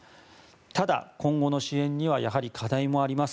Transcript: ただ、今後の支援にはやはり課題もあります。